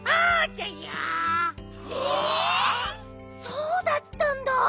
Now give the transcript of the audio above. そうだったんだ！